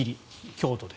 京都で。